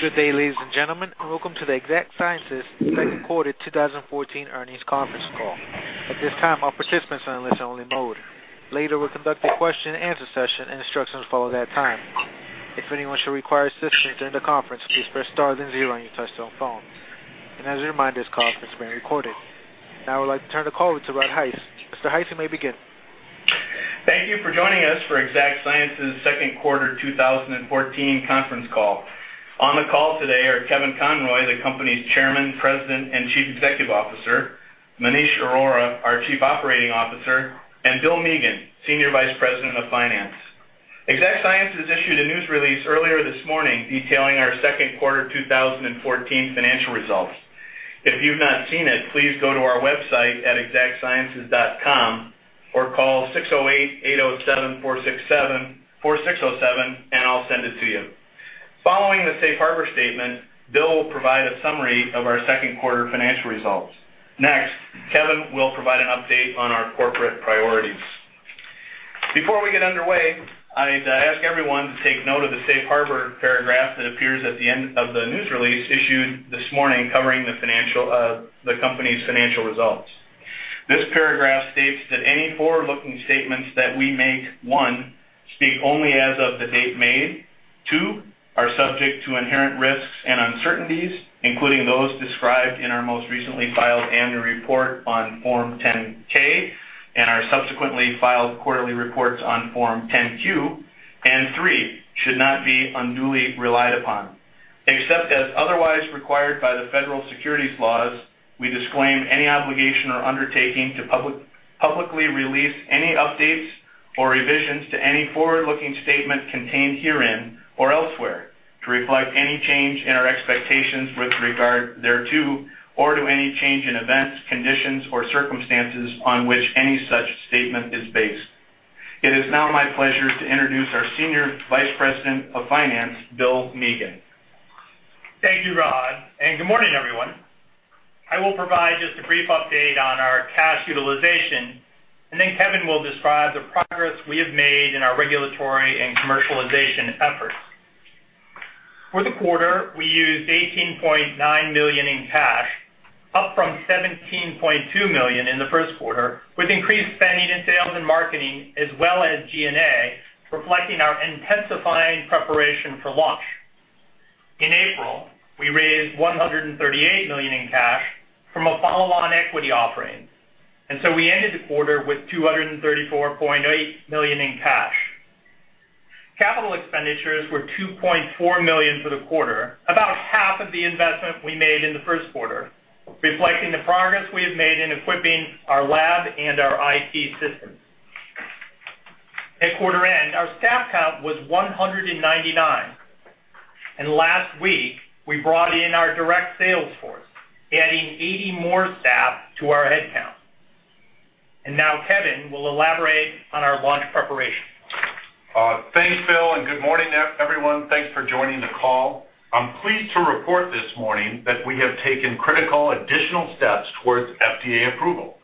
Good day, ladies and gentlemen, and welcome to the Exact Sciences Second Quarter 2014 Earnings Conference Call. At this time, all participants are in listen-only mode. Later, we'll conduct a Q&A session, and instructions will follow that time. If anyone should require assistance during the conference, please press star then zero on your touchtone phone. As a reminder, this conference is being recorded. Now, I would like to turn the call over to Rod Hise. Mr. Hise, you may begin. Thank you for joining us for Exact Sciences Second Quarter 2014 Conference Call. On the call today are Kevin Conroy, the Company's Chairman, President, and Chief Executive Officer; Maneesh Arora, our Chief Operating Officer; and Bill Megan, Senior Vice President of Finance. Exact Sciences issued a news release earlier this morning detailing our second quarter 2014 financial results. If you've not seen it, please go to our website at exactsciences.com or call 608-807-4607, and I'll send it to you. Following the safe harbor statement, Bill will provide a summary of our second quarter financial results. Next, Kevin will provide an update on our corporate priorities. Before we get underway, I'd ask everyone to take note of the safe harbor paragraph that appears at the end of the news release issued this morning covering the company's financial results. This paragraph states that any forward-looking statements that we make, one, speak only as of the date made, two, are subject to inherent risks and uncertainties, including those described in our most recently filed annual report on Form 10-K and our subsequently filed quarterly reports on Form 10-Q, and three, should not be unduly relied upon. Except as otherwise required by the federal securities laws, we disclaim any obligation or undertaking to publicly release any updates or revisions to any forward-looking statement contained herein or elsewhere to reflect any change in our expectations with regard thereto, or to any change in events, conditions, or circumstances on which any such statement is based. It is now my pleasure to introduce our Senior Vice President of Finance, Bill Megan. Thank you, Rod, and good morning, everyone. I will provide just a brief update on our cash utilization, and then Kevin will describe the progress we have made in our regulatory and commercialization efforts. For the quarter, we used $18.9 million in cash, up from $17.2 million in the first quarter, with increased spending in sales and marketing, as well as G&A, reflecting our intensifying preparation for launch. In April, we raised $138 million in cash from a follow-on equity offering, and so we ended the quarter with $234.8 million in cash. Capital expenditures were $2.4 million for the quarter, about half of the investment we made in the first quarter, reflecting the progress we have made in equipping our lab and our IT systems. At quarter end, our staff count was 199, and last week, we brought in our direct sales force, adding 80 more staff to our headcount. Kevin will elaborate on our launch preparation. Thanks, Bill, and good morning, everyone. Thanks for joining the call. I'm pleased to report this morning that we have taken critical additional steps towards FDA approval,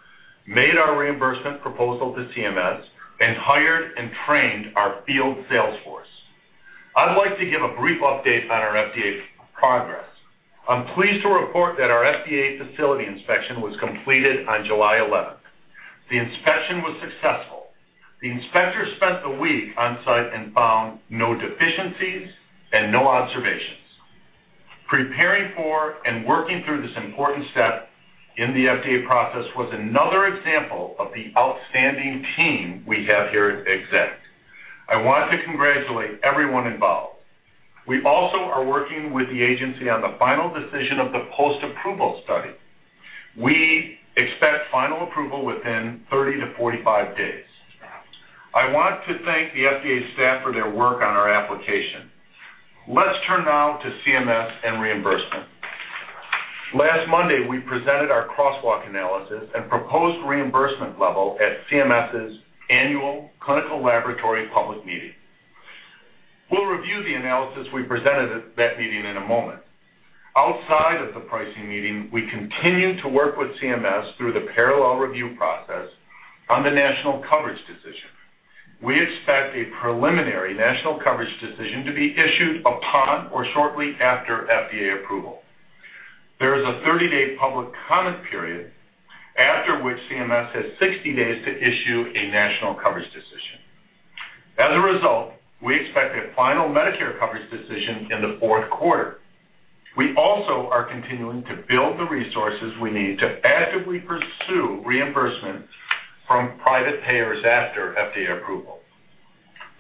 made our reimbursement proposal to CMS, and hired and trained our field sales force. I'd like to give a brief update on our FDA progress. I'm pleased to report that our FDA facility inspection was completed on July 11. The inspection was successful. The inspectors spent the week on site and found no deficiencies and no observations. Preparing for and working through this important step in the FDA process was another example of the outstanding team we have here at Exact. I want to congratulate everyone involved. We also are working with the agency on the final decision of the post-approval study. We expect final approval within 30-45 days. I want to thank the FDA staff for their work on our application. Let's turn now to CMS and reimbursement. Last Monday, we presented our crosswalk analysis and proposed reimbursement level at CMS's Annual Clinical Laboratory Public Meeting. We'll review the analysis we presented at that meeting in a moment. Outside of the pricing meeting, we continue to work with CMS through the parallel review process on the national coverage decision. We expect a preliminary national coverage decision to be issued upon or shortly after FDA approval. There is a 30-day public comment period, after which CMS has 60 days to issue a national coverage decision. As a result, we expect a final Medicare coverage decision in the fourth quarter. We also are continuing to build the resources we need to actively pursue reimbursement from private payers after FDA approval.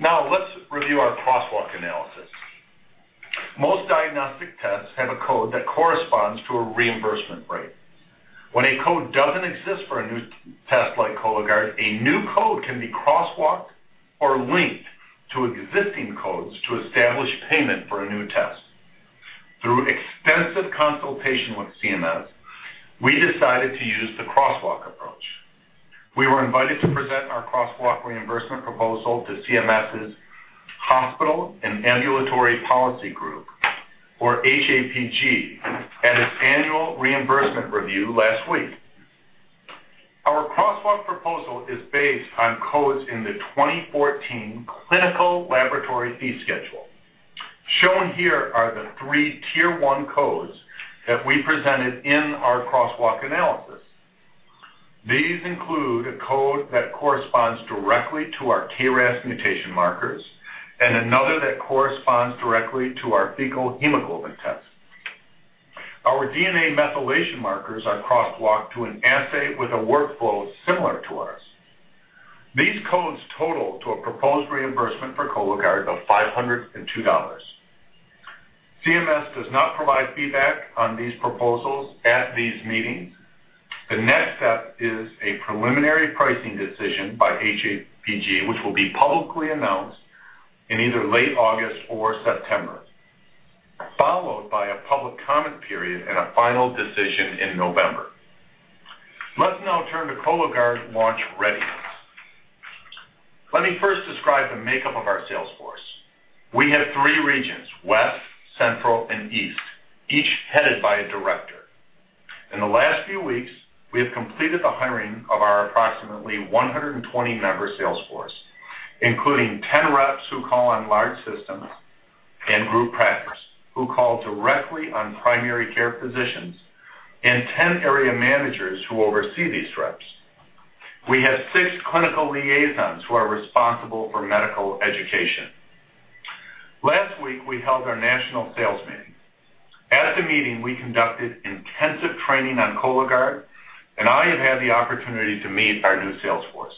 Now, let's review our crosswalk analysis. Most diagnostic tests have a code that corresponds to a reimbursement rate. When a code does not exist for a new test like Cologuard, a new code can be crosswalked or linked to existing codes to establish payment for a new test. Through extensive consultation with CMS, we decided to use the crosswalk approach. We were invited to present our crosswalk reimbursement proposal to CMS's Hospital and Ambulatory Policy Group, or HAPG, at its annual reimbursement review last week. Our crosswalk proposal is based on codes in the 2014 Clinical Laboratory Fee Schedule. Shown here are the three tier-one codes that we presented in our crosswalk analysis. These include a code that corresponds directly to our KRAS mutation markers and another that corresponds directly to our fecal hemoglobin test. Our DNA methylation markers are crosswalked to an assay with a workflow similar to ours. These codes total to a proposed reimbursement for Cologuard of $502. CMS does not provide feedback on these proposals at these meetings. The next step is a preliminary pricing decision by HAPG, which will be publicly announced in either late August or September, followed by a public comment period and a final decision in November. Let's now turn to Cologuard launch readiness. Let me first describe the makeup of our sales force. We have three regions: west, central, and east, each headed by a director. In the last few weeks, we have completed the hiring of our approximately 120-member sales force, including 10 reps who call on large systems and group practice, who call directly on primary care physicians, and 10 area managers who oversee these reps. We have six clinical liaisons who are responsible for medical education. Last week, we held our national sales meeting. At the meeting, we conducted intensive training on Cologuard, and I have had the opportunity to meet our new sales force.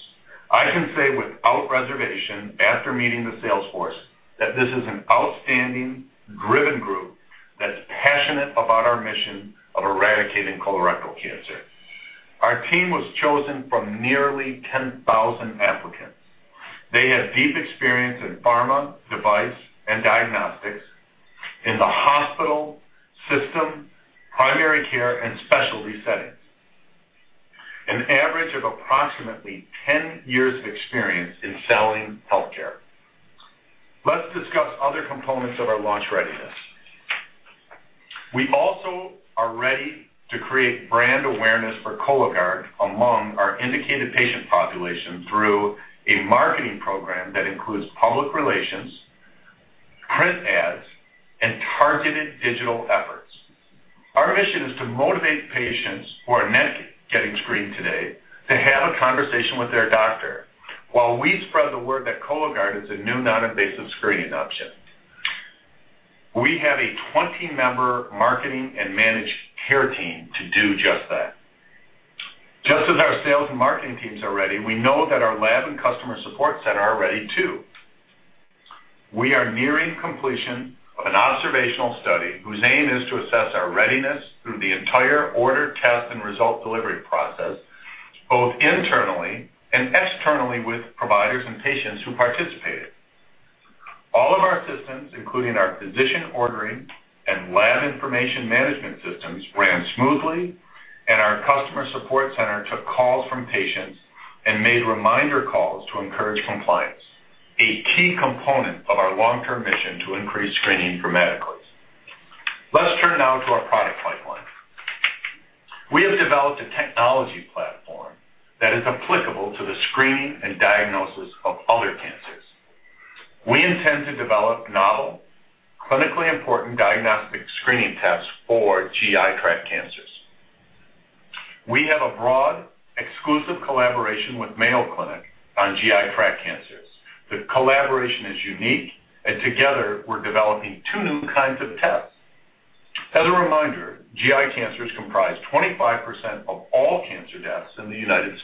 I can say without reservation, after meeting the sales force, that this is an outstanding, driven group that's passionate about our mission of eradicating colorectal cancer. Our team was chosen from nearly 10,000 applicants. They have deep experience in pharma, device, and diagnostics in the hospital system, primary care, and specialty settings, an average of approximately 10 years of experience in selling healthcare. Let's discuss other components of our launch readiness. We also are ready to create brand awareness for Cologuard among our indicated patient population through a marketing program that includes public relations, print ads, and targeted digital efforts. Our mission is to motivate patients who are not getting screened today to have a conversation with their doctor while we spread the word that Cologuard is a new non-invasive screening option. We have a 20-member marketing and managed care team to do just that. Just as our sales and marketing teams are ready, we know that our lab and customer support center are ready too. We are nearing completion of an observational study whose aim is to assess our readiness through the entire order, test, and result delivery process, both internally and externally with providers and patients who participated. All of our systems, including our physician ordering and lab information management systems, ran smoothly, and our customer support center took calls from patients and made reminder calls to encourage compliance, a key component of our long-term mission to increase screening dramatically. Let's turn now to our product pipeline. We have developed a technology platform that is applicable to the screening and diagnosis of other cancers. We intend to develop novel, clinically important diagnostic screening tests for GI tract cancers. We have a broad, exclusive collaboration with Mayo Clinic on GI tract cancers. The collaboration is unique, and together, we're developing two new kinds of tests. As a reminder, GI cancers comprise 25% of all cancer deaths in the U.S.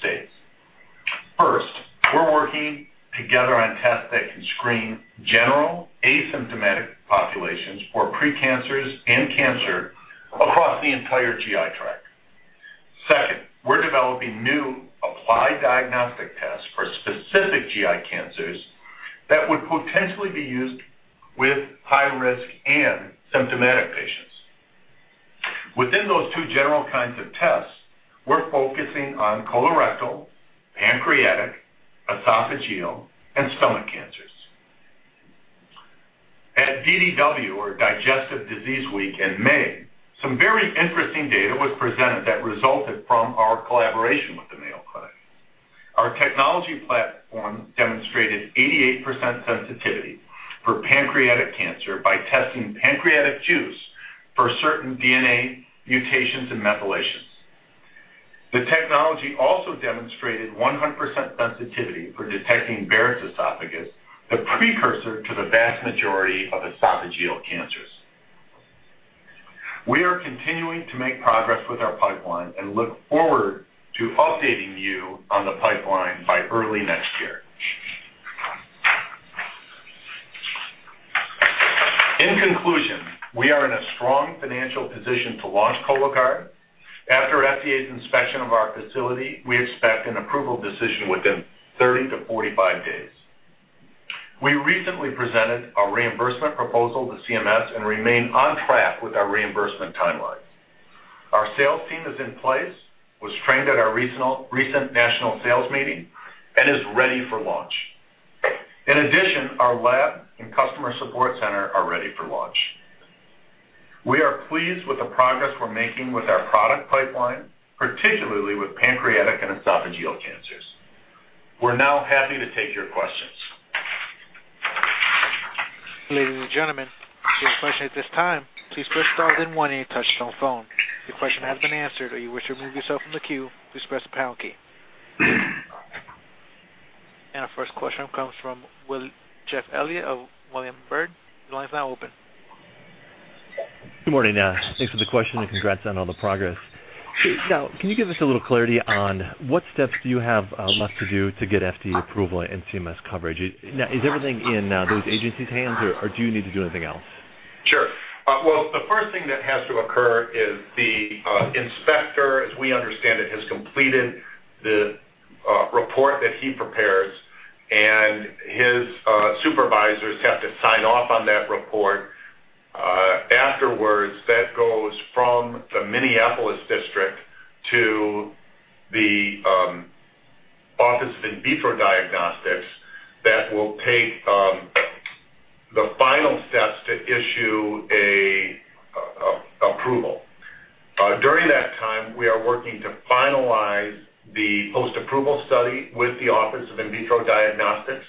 First, we're working together on tests that can screen general, asymptomatic populations for precancers and cancer across the entire GI tract. Second, we're developing new applied diagnostic tests for specific GI cancers that would potentially be used with high-risk and symptomatic patients. Within those two general kinds of tests, we're focusing on colorectal, pancreatic, esophageal, and stomach cancers. At DDW, or Digestive Disease Week, in May, some very interesting data was presented that resulted from our collaboration with the Mayo Clinic. Our technology platform demonstrated 88% sensitivity for pancreatic cancer by testing pancreatic juice for certain DNA mutations and methylations. The technology also demonstrated 100% sensitivity for detecting Barrett's esophagus, the precursor to the vast majority of esophageal cancers. We are continuing to make progress with our pipeline and look forward to updating you on the pipeline by early next year. In conclusion, we are in a strong financial position to launch Cologuard. After FDA's inspection of our facility, we expect an approval decision within 30-45 days. We recently presented our reimbursement proposal to CMS and remain on track with our reimbursement timelines. Our sales team is in place, was trained at our recent national sales meeting, and is ready for launch. In addition, our lab and customer support center are ready for launch. We are pleased with the progress we're making with our product pipeline, particularly with pancreatic and esophageal cancers. We're now happy to take your questions. Ladies and gentlemen, if you have a question at this time, please press star then one, and you can touch-phone. If your question has been answered or you wish to remove yourself from the queue, please press the pound key. Our first question comes from Jeff Elliott of Wilson Baird. The line's now open. Good morning. Thanks for the question and congrats on all the progress. Now, can you give us a little clarity on what steps do you have left to do to get FDA approval and CMS coverage? Now, is everything in those agencies' hands, or do you need to do anything else? Sure. The first thing that has to occur is the inspector, as we understand it, has completed the report that he prepares, and his supervisors have to sign off on that report. Afterwards, that goes from the Minneapolis district to the office of In Vitro Diagnostics that will take the final steps to issue an approval. During that time, we are working to finalize the post-approval study with the office of In Vitro Diagnostics.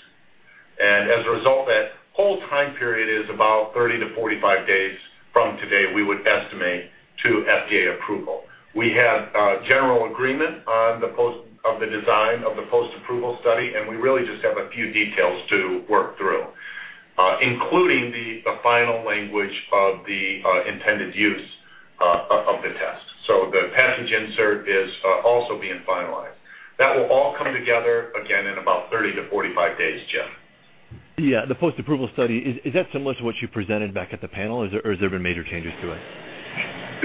As a result, that whole time period is about 30-45 days from today, we would estimate, to FDA approval. We have general agreement on the design of the post-approval study, and we really just have a few details to work through, including the final language of the intended use of the test. The passage insert is also being finalized. That will all come together again in about 30 to 45 days, Jeff. The post-approval study, is that similar to what you presented back at the panel, or has there been major changes to it?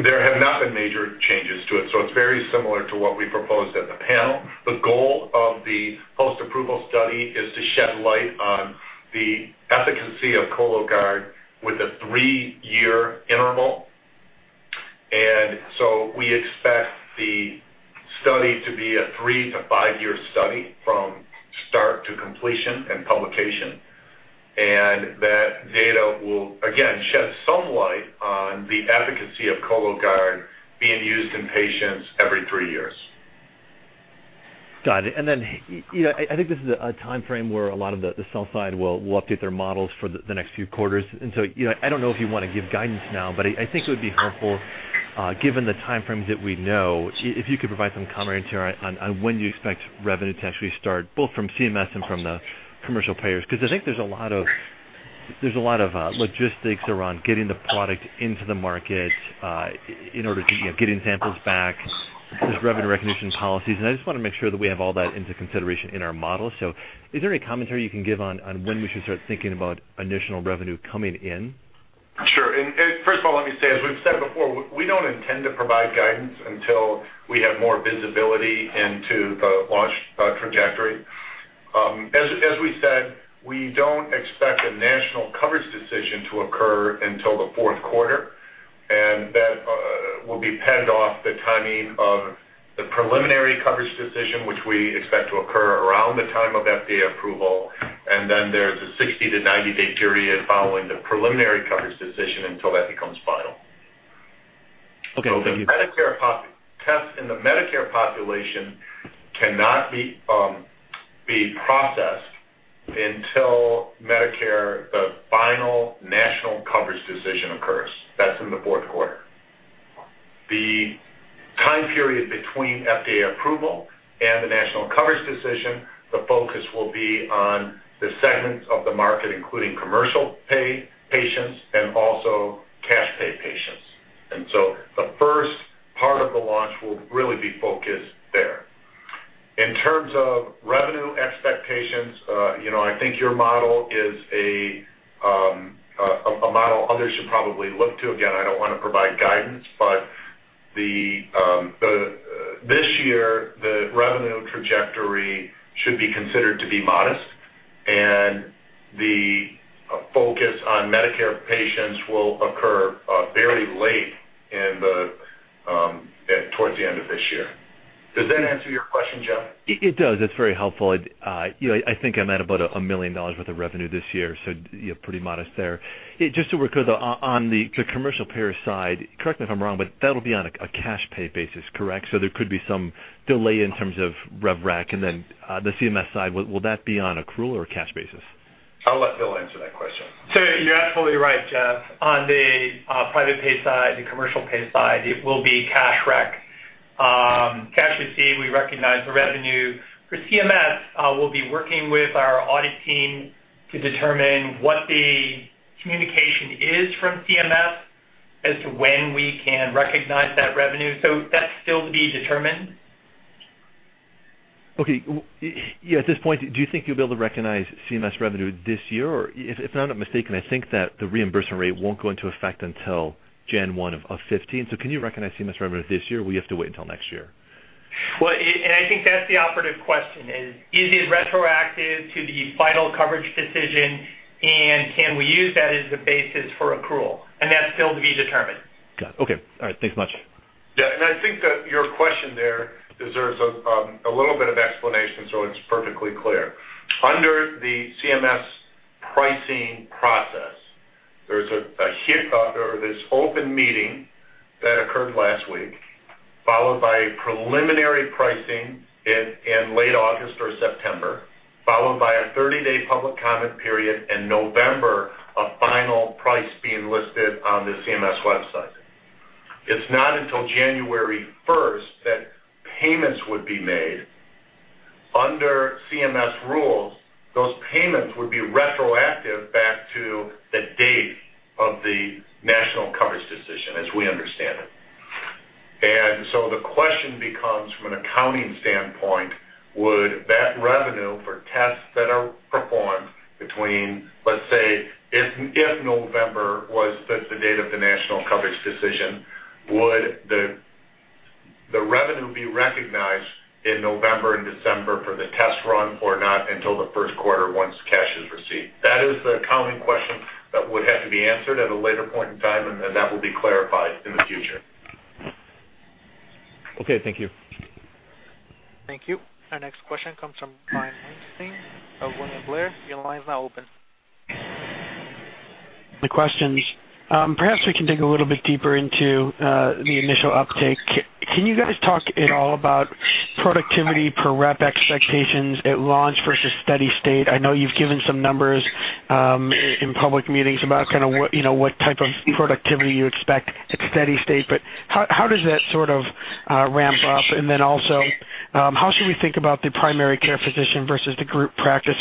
There have not been major changes to it, so it's very similar to what we proposed at the panel. The goal of the post-approval study is to shed light on the efficacy of Cologuard with a three-year interval. We expect the study to be a three to five-year study from start to completion and publication, and that data will, again, shed some light on the efficacy of Cologuard being used in patients every three years. Got it. I think this is a timeframe where a lot of the sell side will update their models for the next few quarters. I do not know if you want to give guidance now, but I think it would be helpful, given the timeframes that we know, if you could provide some commentary on when you expect revenue to actually start, both from CMS and from the commercial payers, because I think there is a lot of logistics around getting the product into the market in order to get samples back, there are revenue recognition policies. I just want to make sure that we have all that into consideration in our model. Is there any commentary you can give on when we should start thinking about additional revenue coming in? Sure. First of all, let me say, as we've said before, we don't intend to provide guidance until we have more visibility into the launch trajectory. As we said, we don't expect a national coverage decision to occur until the fourth quarter, and that will be pinned off the timing of the preliminary coverage decision, which we expect to occur around the time of FDA approval. There is a 60-90 day period following the preliminary coverage decision until that becomes final. Okay. Thank you. The Medicare populations cannot be processed until Medicare, the final national coverage decision, occurs. That is in the fourth quarter. The time period between FDA approval and the national coverage decision, the focus will be on the segments of the market, including commercial pay patients and also cash pay patients. The first part of the launch will really be focused there. In terms of revenue expectations, I think your model is a model others should probably look to. Again, I do not want to provide guidance, but this year, the revenue trajectory should be considered to be modest, and the focus on Medicare patients will occur very late towards the end of this year. Does that answer your question, Jeff? It does. That's very helpful. I think I'm at about $1 million worth of revenue this year, so pretty modest there. Just so we're clear, though, on the commercial payer side, correct me if I'm wrong, but that'll be on a cash pay basis, correct? So there could be some delay in terms of RevRec and then the CMS side. Will that be on accrual or cash basis? I'll let Bill answer that question. You're absolutely right, Jeff. On the private pay side and commercial pay side, it will be cash rec. Cash received, we recognize the revenue. For CMS, we'll be working with our audit team to determine what the communication is from CMS as to when we can recognize that revenue. That's still to be determined. Okay. At this point, do you think you'll be able to recognize CMS revenue this year? Or if I'm not mistaken, I think that the reimbursement rate won't go into effect until January 1 of 2015. So can you recognize CMS revenue this year? Will you have to wait until next year? I think that's the operative question. Is it retroactive to the final coverage decision, and can we use that as the basis for accrual? That's still to be determined. Got it. Okay. All right. Thanks much. Yeah. I think that your question there deserves a little bit of explanation, so it's perfectly clear. Under the CMS pricing process, there's an open meeting that occurred last week, followed by a preliminary pricing in late August or September, followed by a 30-day public comment period, and in November, a final price being listed on the CMS website. It's not until January 1 that payments would be made. Under CMS rules, those payments would be retroactive back to the date of the national coverage decision, as we understand it. The question becomes, from an accounting standpoint, would that revenue for tests that are performed between, let's say, if November was the date of the national coverage decision, would the revenue be recognized in November and December for the tests run or not until the first quarter once cash is received? That is the common question that would have to be answered at a later point in time, and then that will be clarified in the future. Okay. Thank you. Thank you. Our next question comes from Brian Weinstein of William Blair. Your line's now open. The questions. Perhaps we can dig a little bit deeper into the initial uptake. Can you guys talk at all about productivity per rep expectations at launch versus steady state? I know you've given some numbers in public meetings about kind of what type of productivity you expect at steady state, but how does that sort of ramp up? Also, how should we think about the primary care physician versus the group practice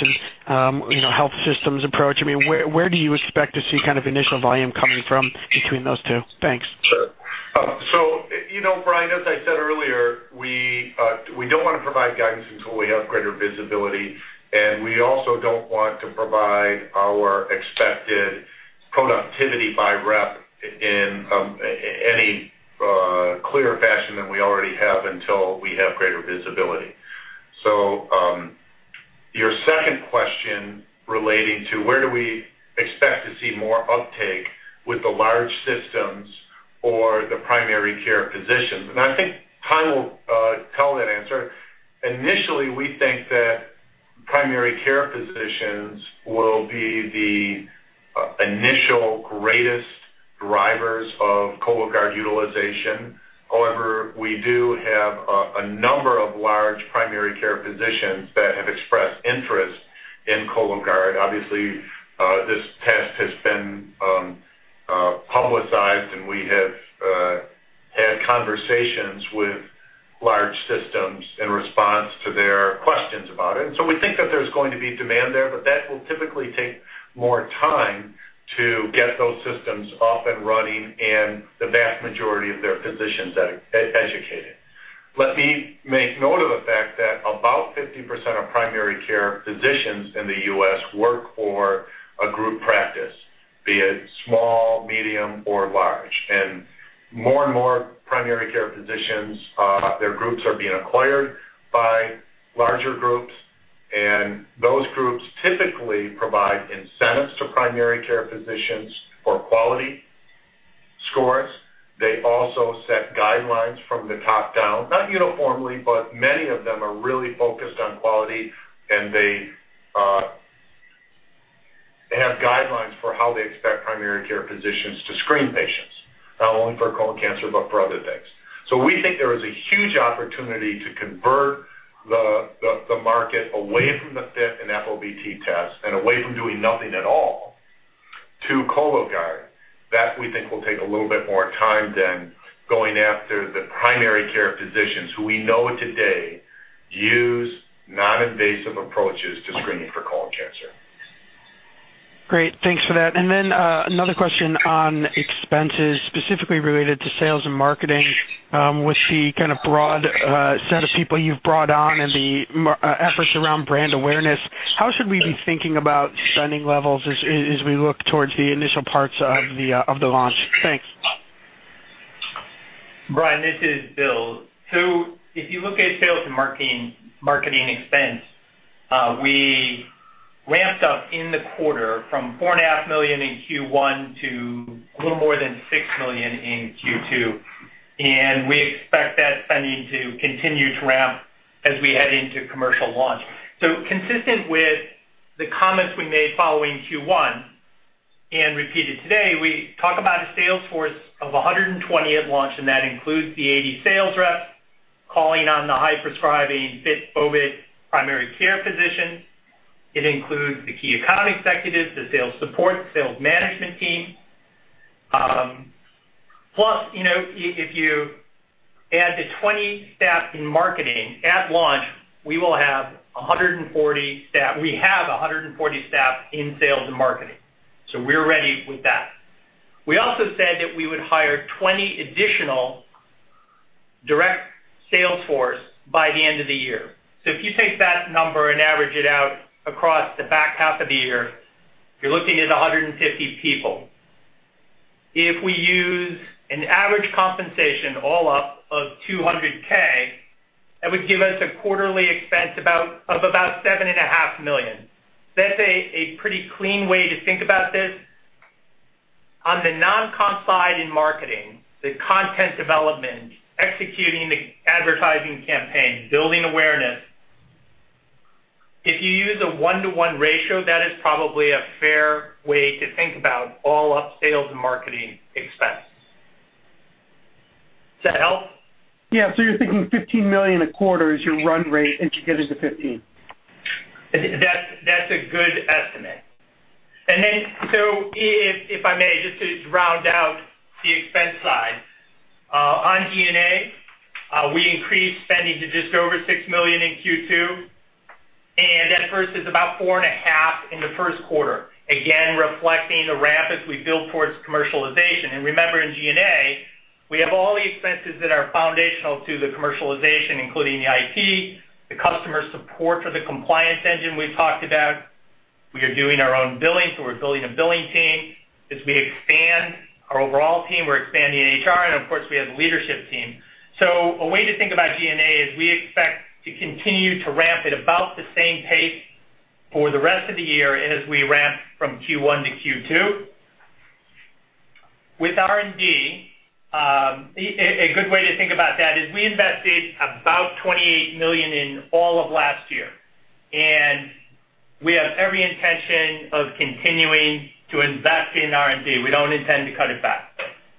and health systems approach? I mean, where do you expect to see kind of initial volume coming from between those two? Thanks. Sure. Brian, as I said earlier, we do not want to provide guidance until we have greater visibility, and we also do not want to provide our expected productivity by rep in any clearer fashion than we already have until we have greater visibility. Your second question relating to where do we expect to see more uptake with the large systems or the primary care physicians? I think time will tell that answer. Initially, we think that primary care physicians will be the initial greatest drivers of Cologuard utilization. However, we do have a number of large primary care physicians that have expressed interest in Cologuard. Obviously, this test has been publicized, and we have had conversations with large systems in response to their questions about it. We think that there's going to be demand there, but that will typically take more time to get those systems up and running and the vast majority of their physicians educated. Let me make note of the fact that about 50% of primary care physicians in the U.S. work for a group practice, be it small, medium, or large. More and more primary care physicians, their groups are being acquired by larger groups, and those groups typically provide incentives to primary care physicians for quality scores. They also set guidelines from the top down, not uniformly, but many of them are really focused on quality, and they have guidelines for how they expect primary care physicians to screen patients, not only for colon cancer, but for other things. We think there is a huge opportunity to convert the market away from the FIT and FOBT tests and away from doing nothing at all to Cologuard. That we think will take a little bit more time than going after the primary care physicians who we know today use non-invasive approaches to screening for colon cancer. Great. Thanks for that. Another question on expenses, specifically related to sales and marketing, with the kind of broad set of people you've brought on and the efforts around brand awareness. How should we be thinking about spending levels as we look towards the initial parts of the launch? Thanks. Brian, this is Bill. If you look at sales and marketing expense, we ramped up in the quarter from $4.5 million in Q1 to a little more than $6 million in Q2, and we expect that spending to continue to ramp as we head into commercial launch. Consistent with the comments we made following Q1 and repeated today, we talk about a sales force of 120 at launch, and that includes the 80 sales reps calling on the high-prescribing FIT/FOBT primary care physicians. It includes the key account executives, the sales support, the sales management team. Plus, if you add the 20 staff in marketing at launch, we will have 140 staff. We have 140 staff in sales and marketing, so we're ready with that. We also said that we would hire 20 additional direct sales force by the end of the year. If you take that number and average it out across the back half of the year, you're looking at 150 people. If we use an average compensation all up of $200,000, that would give us a quarterly expense of about $7.5 million. That's a pretty clean way to think about this. On the non-comp side in marketing, the content development, executing the advertising campaign, building awareness, if you use a one-to-one ratio, that is probably a fair way to think about all up sales and marketing expense. Does that help? Yeah. So you're thinking $15 million a quarter is your run rate as you get into 2015? That's a good estimate. If I may, just to round out the expense side, on DNA, we increased spending to just over $6 million in Q2, and that first is about $4.5 million in the first quarter, again, reflecting the ramp as we build towards commercialization. Remember, in G&A, we have all the expenses that are foundational to the commercialization, including the IT, the customer support for the compliance engine we've talked about. We are doing our own billing, so we're building a billing team. As we expand our overall team, we're expanding HR, and of course, we have the leadership team. A way to think about G&A is we expect to continue to ramp at about the same pace for the rest of the year as we ramp from Q1 to Q2. With R&D, a good way to think about that is we invested about $28 million in all of last year, and we have every intention of continuing to invest in R&D. We don't intend to cut it back.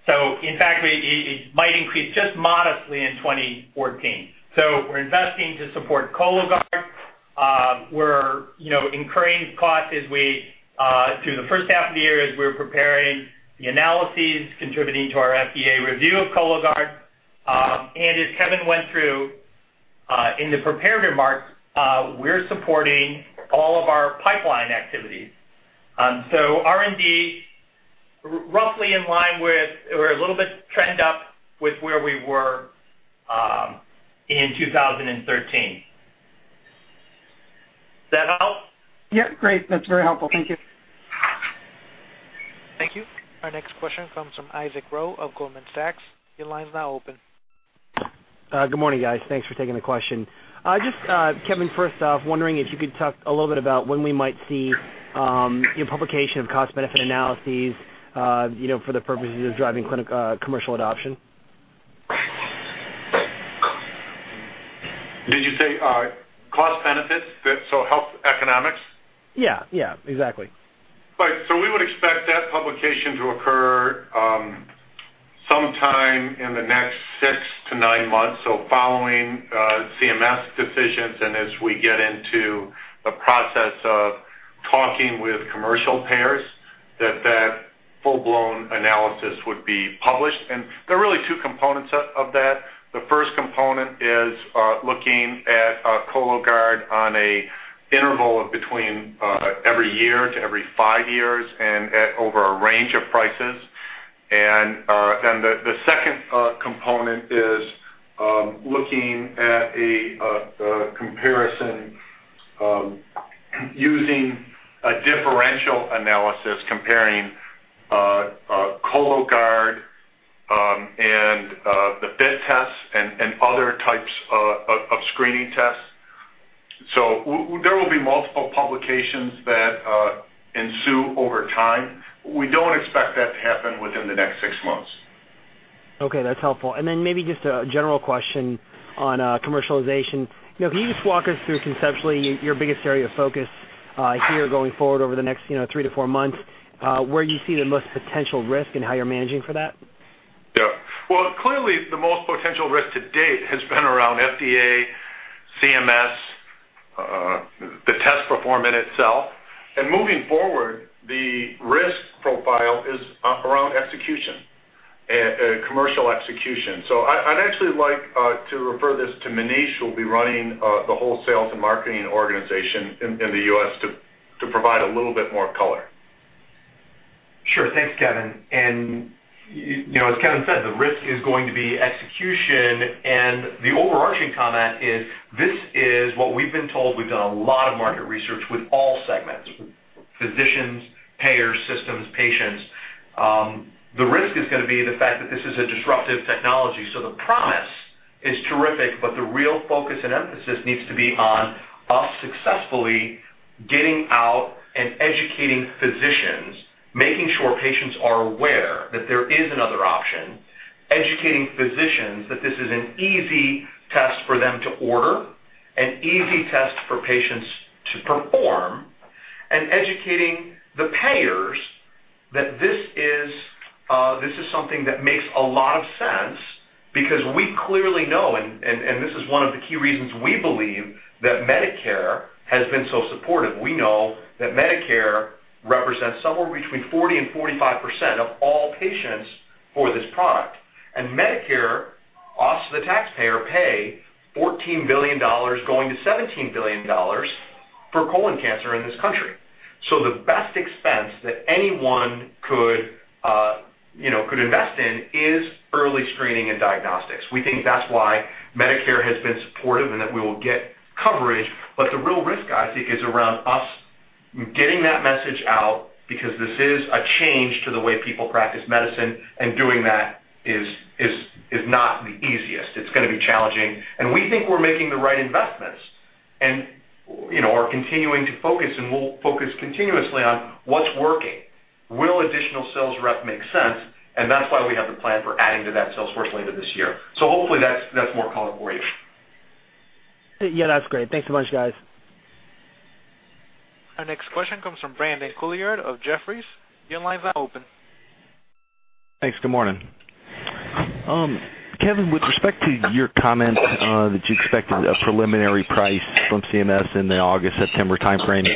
In fact, it might increase just modestly in 2014. We're investing to support Cologuard. We're incurring costs through the first half of the year as we're preparing the analysis, contributing to our FDA review of Cologuard. As Kevin went through in the preparatory marks, we're supporting all of our pipeline activities. R&D, roughly in line with or a little bit trend up with where we were in 2013. Does that help? Yep. Great. That's very helpful. Thank you. Thank you. Our next question comes from Isaac Ro of Goldman Sachs. Your line's now open. Good morning, guys. Thanks for taking the question. Just Kevin, first off, wondering if you could talk a little bit about when we might see your publication of cost-benefit analyses for the purposes of driving commercial adoption. Did you say cost-benefits, so health economics? Yeah. Yeah. Exactly. Right. We would expect that publication to occur sometime in the next six to nine months, following CMS decisions and as we get into the process of talking with commercial payers, that that full-blown analysis would be published. There are really two components of that. The first component is looking at Cologuard on an interval of between every year to every five years and over a range of prices. The second component is looking at a comparison using a differential analysis, comparing Cologuard and the FIT tests and other types of screening tests. There will be multiple publications that ensue over time. We do not expect that to happen within the next six months. Okay. That's helpful. Maybe just a general question on commercialization. Can you just walk us through conceptually your biggest area of focus here going forward over the next three to four months, where you see the most potential risk and how you're managing for that? Yeah. Clearly, the most potential risk to date has been around FDA, CMS, the test performance itself. Moving forward, the risk profile is around execution, commercial execution. I'd actually like to refer this to Maneesh, who will be running the whole sales and marketing organization in the U.S., to provide a little bit more color. Sure. Thanks, Kevin. As Kevin said, the risk is going to be execution, and the overarching comment is, "This is what we've been told. We've done a lot of market research with all segments: physicians, payers, systems, patients." The risk is going to be the fact that this is a disruptive technology. The price is terrific, but the real focus and emphasis needs to be on us successfully getting out and educating physicians, making sure patients are aware that there is another option, educating physicians that this is an easy test for them to order, an easy test for patients to perform, and educating the payers that this is something that makes a lot of sense because we clearly know, and this is one of the key reasons we believe that Medicare has been so supportive. We know that Medicare represents somewhere between 40% and 45% of all patients for this product. Medicare asks the taxpayer to pay $14 billion going to $17 billion for colon cancer in this country. The best expense that anyone could invest in is early screening and diagnostics. We think that's why Medicare has been supportive and that we will get coverage. The real risk, I think, is around us getting that message out because this is a change to the way people practice medicine, and doing that is not the easiest. It's going to be challenging. We think we're making the right investments and are continuing to focus, and we'll focus continuously on what's working. Will additional sales rep make sense? That's why we have the plan for adding to that sales force later this year. Hopefully, that's more color for you. Yeah. That's great. Thanks so much, guys. Our next question comes from Brandon Couillard of Jefferies. Your line's now open. Thanks. Good morning. Kevin, with respect to your comment that you expected a preliminary price from CMS in the August/September timeframe,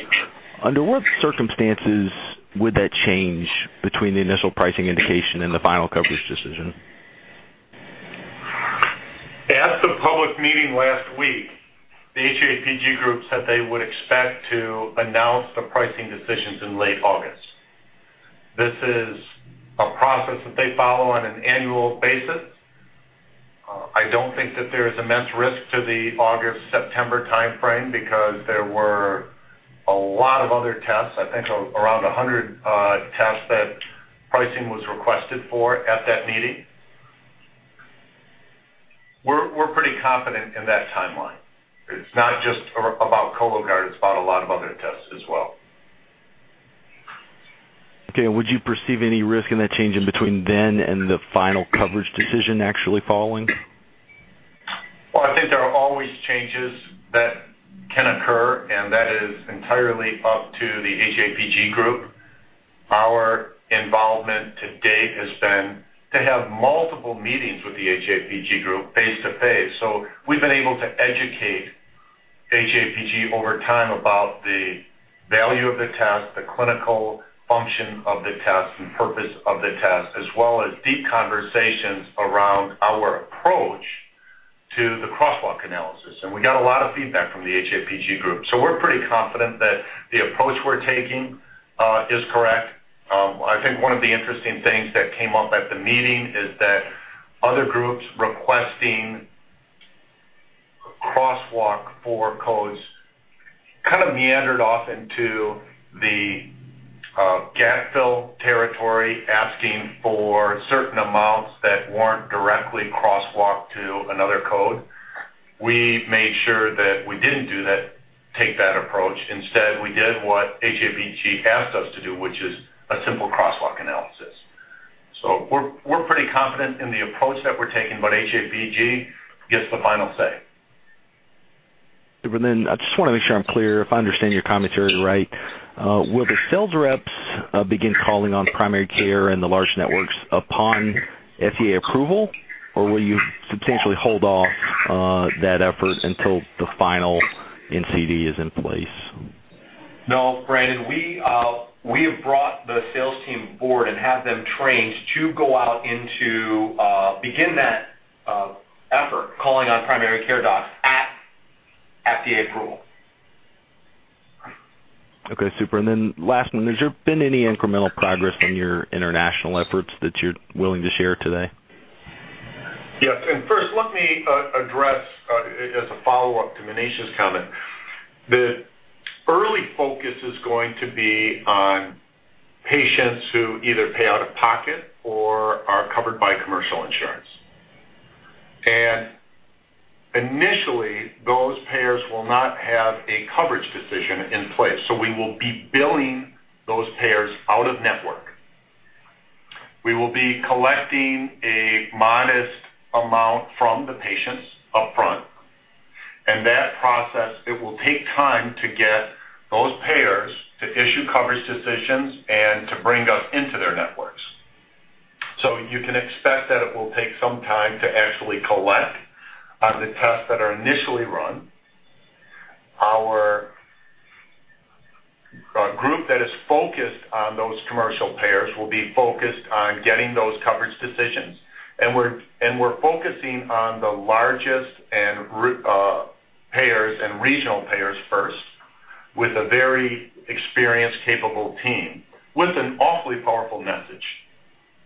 under what circumstances would that change between the initial pricing indication and the final coverage decision? At the public meeting last week, the HAPG group said they would expect to announce the pricing decisions in late August. This is a process that they follow on an annual basis. I don't think that there is immense risk to the August/September timeframe because there were a lot of other tests. I think around 100 tests that pricing was requested for at that meeting. We're pretty confident in that timeline. It's not just about Cologuard. It's about a lot of other tests as well. Okay. Would you perceive any risk in that change in between then and the final coverage decision actually following? I think there are always changes that can occur, and that is entirely up to the HAPG group. Our involvement to date has been to have multiple meetings with the HAPG group face-to-face. We've been able to educate HAPG over time about the value of the test, the clinical function of the test, and purpose of the test, as well as deep conversations around our approach to the crosswalk analysis. We got a lot of feedback from the HAPG group. We're pretty confident that the approach we're taking is correct. I think one of the interesting things that came up at the meeting is that other groups requesting crosswalk for codes kind of meandered off into the gap-fill territory, asking for certain amounts that were not directly crosswalked to another code. We made sure that we did not take that approach. Instead, we did what HAPG asked us to do, which is a simple crosswalk analysis. So we're pretty confident in the approach that we're taking, but HAPG gets the final say. Super. Then I just want to make sure I'm clear if I understand your commentary right. Will the sales reps begin calling on primary care and the large networks upon FDA approval, or will you substantially hold off that effort until the final NCD is in place? No, Brandon. We have brought the sales team aboard and have them trained to go out and begin that effort calling on primary care docs at FDA approval. Okay. Super. Last one, has there been any incremental progress on your international efforts that you're willing to share today? Yes. First, let me address as a follow-up to Maneesh's comment that early focus is going to be on patients who either pay out of pocket or are covered by commercial insurance. Initially, those payers will not have a coverage decision in place. We will be billing those payers out of network. We will be collecting a modest amount from the patients upfront. That process will take time to get those payers to issue coverage decisions and to bring us into their networks. You can expect that it will take some time to actually collect on the tests that are initially run. Our group that is focused on those commercial payers will be focused on getting those coverage decisions. We're focusing on the largest payers and regional payers first with a very experienced, capable team with an awfully powerful message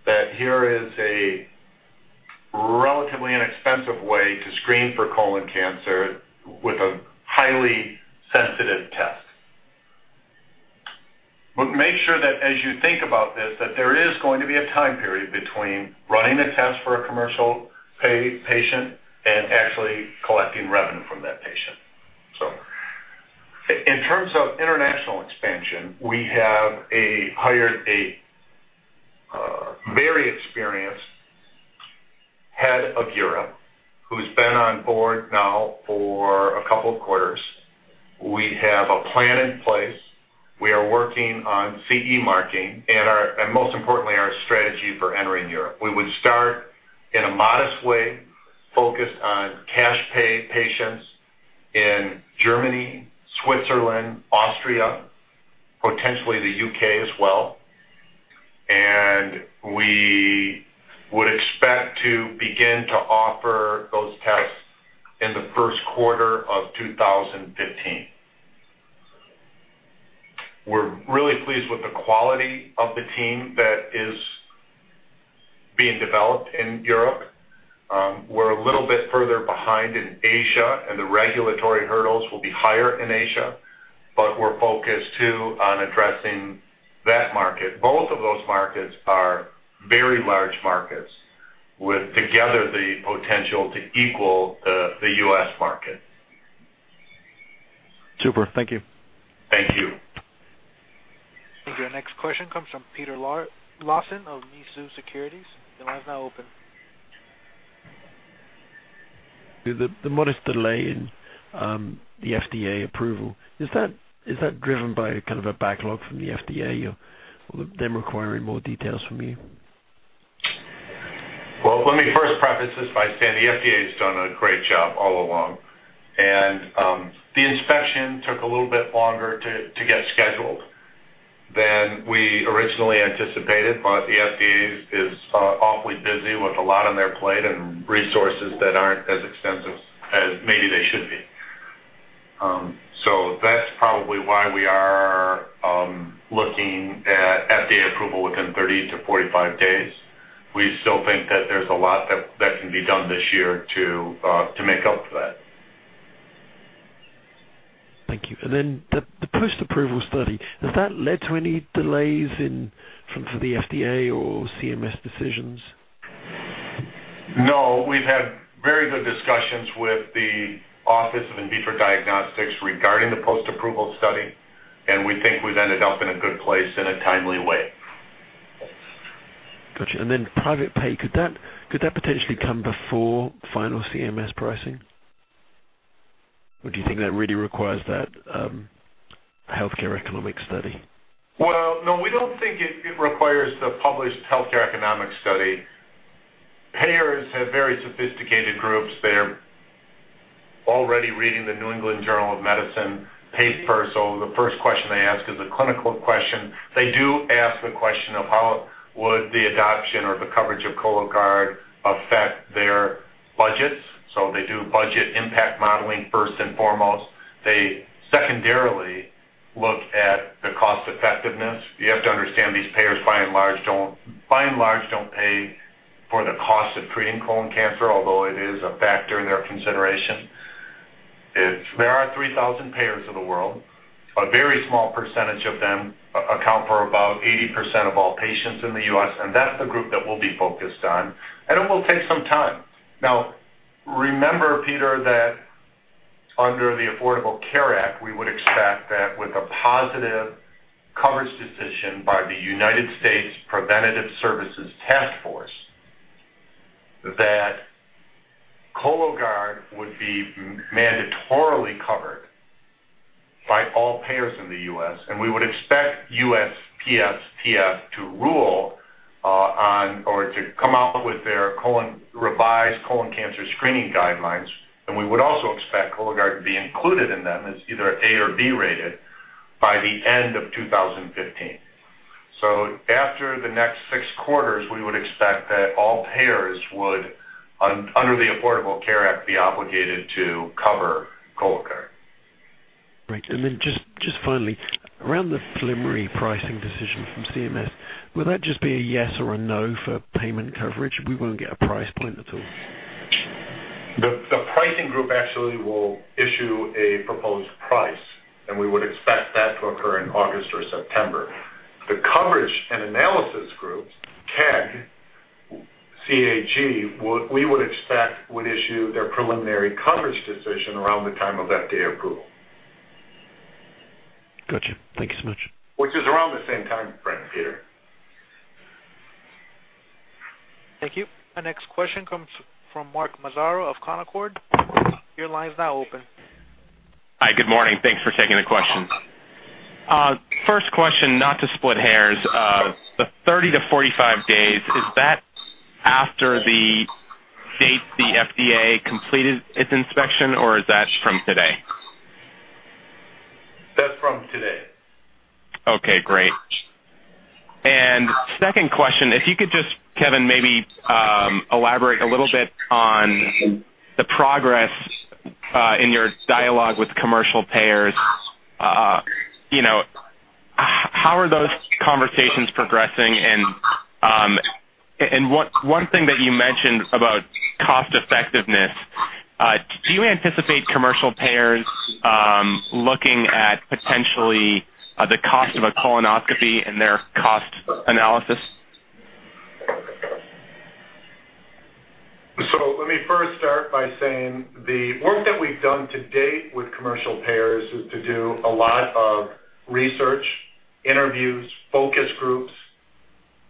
that here is a relatively inexpensive way to screen for colon cancer with a highly sensitive test. Make sure that as you think about this, there is going to be a time period between running a test for a commercial patient and actually collecting revenue from that patient. In terms of international expansion, we have hired a very experienced head of Europe who's been on board now for a couple of quarters. We have a plan in place. We are working on CE marking and, most importantly, our strategy for entering Europe. We would start in a modest way, focused on cash pay patients in Germany, Switzerland, Austria, potentially the U.K. as well. We would expect to begin to offer those tests in the first quarter of 2015. We are really pleased with the quality of the team that is being developed in Europe. We are a little bit further behind in Asia, and the regulatory hurdles will be higher in Asia. We are focused too on addressing that market. Both of those markets are very large markets with together the potential to equal the U.S. market. Super. Thank you. Thank you. Thank you. Next question comes from Peter Lawson of Mizuho Securities. Your line's now open. The modest delay in the FDA approval, is that driven by kind of a backlog from the FDA or them requiring more details from you? Let me first preface this by saying the FDA has done a great job all along. The inspection took a little bit longer to get scheduled than we originally anticipated. The FDA is awfully busy with a lot on their plate and resources that are not as extensive as maybe they should be. That is probably why we are looking at FDA approval within 30-45 days. We still think that there is a lot that can be done this year to make up for that. Thank you. Has the post-approval study led to any delays for the FDA or CMS decisions? No. We've had very good discussions with the Office of In Vitro Diagnostics regarding the post-approval study, and we think we've ended up in a good place in a timely way. Gotcha. Could that potentially come before final CMS pricing? Or do you think that really requires that healthcare economic study? No, we don't think it requires the published healthcare economic study. Payers have very sophisticated groups. They're already reading the New England Journal of Medicine Paper. The first question they ask is a clinical question. They do ask the question of how would the adoption or the coverage of Cologuard affect their budgets. They do budget impact modeling first and foremost. They secondarily look at the cost-effectiveness. You have to understand these payers by and large don't pay for the cost of treating colon cancer, although it is a factor in their consideration. There are 3,000 payers of the world. A very small percentage of them account for about 80% of all patients in the U.S. That's the group that we'll be focused on. It will take some time. Now, remember, Peter, that under the Affordable Care Act, we would expect that with a positive coverage decision by the United States Preventive Services Task Force, that Cologuard would be mandatorily covered by all payers in the U.S. We would expect USPSTF to rule on or to come out with their revised colon cancer screening guidelines. We would also expect Cologuard to be included in them as either A or B rated by the end of 2015. After the next six quarters, we would expect that all payers would, under the Affordable Care Act, be obligated to cover Cologuard. Right. And then just finally, around the preliminary pricing decision from CMS, will that just be a yes or a no for payment coverage? We won't get a price point at all. The pricing group actually will issue a proposed price, and we would expect that to occur in August or September. The Coverage and Analysis Group, CAG, we would expect would issue their preliminary coverage decision around the time of FDA approval. Gotcha. Thank you so much. Which is around the same timeframe, Peter. Thank you. Our next question comes from Mark Massaro of Canaccord. Your line's now open. Hi. Good morning. Thanks for taking the question. First question, not to split hairs. The 30-45 days, is that after the date the FDA completed its inspection, or is that from today? That's from today. Okay. Great. Second question, if you could just, Kevin, maybe elaborate a little bit on the progress in your dialogue with commercial payers. How are those conversations progressing? One thing that you mentioned about cost-effectiveness, do you anticipate commercial payers looking at potentially the cost of a colonoscopy in their cost analysis? Let me first start by saying the work that we've done to date with commercial payers is to do a lot of research, interviews, focus groups,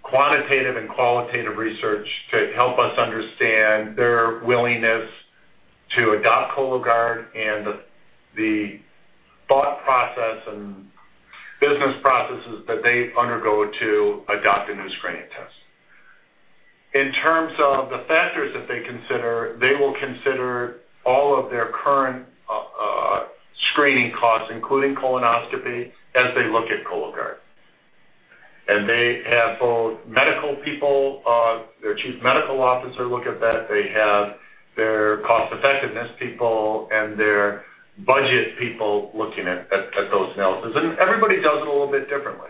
quantitative and qualitative research to help us understand their willingness to adopt Cologuard and the thought process and business processes that they undergo to adopt a new screening test. In terms of the factors that they consider, they will consider all of their current screening costs, including colonoscopy, as they look at Cologuard. They have both medical people; their Chief Medical Officer looks at that. They have their cost-effectiveness people and their budget people looking at those analyses. Everybody does it a little bit differently.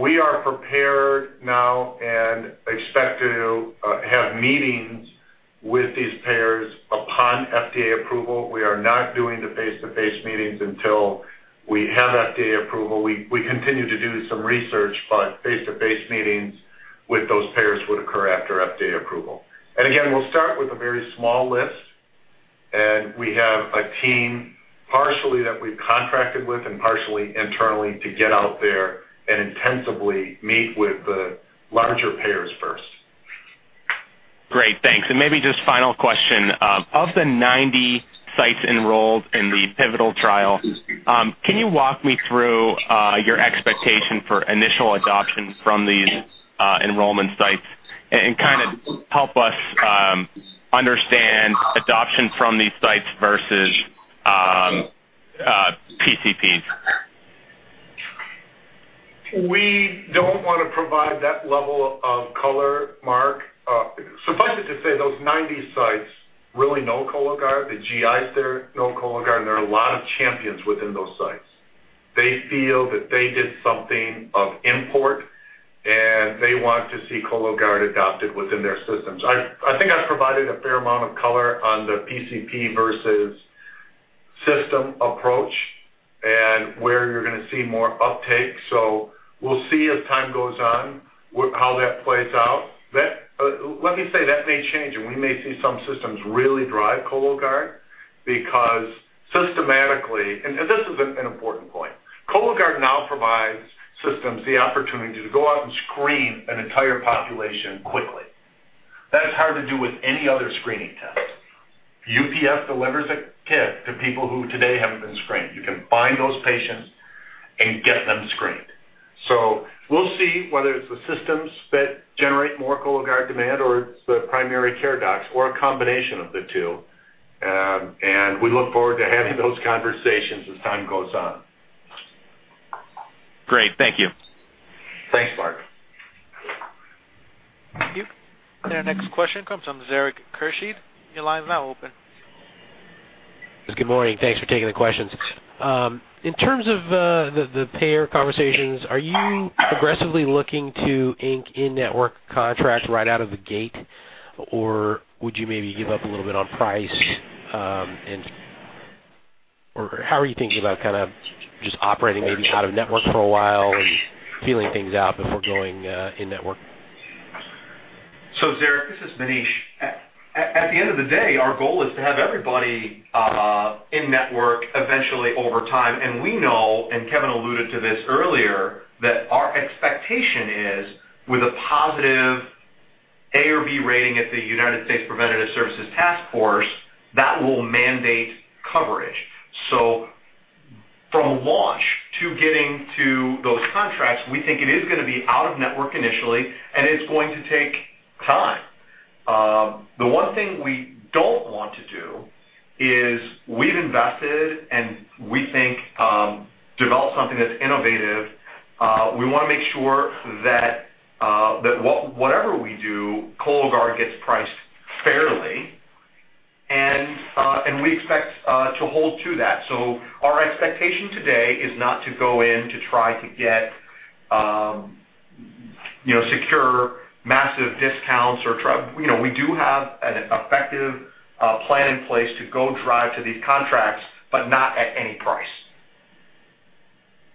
We are prepared now and expect to have meetings with these payers upon FDA approval. We are not doing the face-to-face meetings until we have FDA approval. We continue to do some research, but face-to-face meetings with those payers would occur after FDA approval. We will start with a very small list. We have a team partially that we have contracted with and partially internally to get out there and intensively meet with the larger payers first. Great. Thanks. Maybe just final question. Of the 90 sites enrolled in the pivotal trial, can you walk me through your expectation for initial adoption from these enrollment sites and kind of help us understand adoption from these sites versus PCPs? We don't want to provide that level of color, Mark. Suffice it to say, those 90 sites really know Cologuard. The GIs there know Cologuard, and there are a lot of champions within those sites. They feel that they did something of import, and they want to see Cologuard adopted within their systems. I think I've provided a fair amount of color on the PCP versus system approach and where you're going to see more uptake. We will see as time goes on how that plays out. Let me say that may change, and we may see some systems really drive Cologuard because systematically, and this is an important point, Cologuard now provides systems the opportunity to go out and screen an entire population quickly. That's hard to do with any other screening test. UPF delivers a kit to people who today haven't been screened. You can find those patients and get them screened. We will see whether it is the systems that generate more Cologuard demand or it is the primary care docs or a combination of the two. We look forward to having those conversations as time goes on. Great. Thank you. Thanks, Mark. Thank you. Our next question comes from Zarak Khurshid. Your line's now open. Good morning. Thanks for taking the questions. In terms of the payer conversations, are you aggressively looking to ink in-network contracts right out of the gate, or would you maybe give up a little bit on price? Or how are you thinking about kind of just operating maybe out of network for a while and feeling things out before going in-network? Zarak, this is Maneesh. At the end of the day, our goal is to have everybody in-network eventually over time. We know, and Kevin alluded to this earlier, that our expectation is with a positive A or B rating at the United States Preventive Services Task Force, that will mandate coverage. From launch to getting to those contracts, we think it is going to be out of network initially, and it's going to take time. The one thing we don't want to do is we've invested, and we think developed something that's innovative. We want to make sure that whatever we do, Cologuard gets priced fairly. We expect to hold to that. Our expectation today is not to go in to try to get secure massive discounts or we do have an effective plan in place to go drive to these contracts, but not at any price.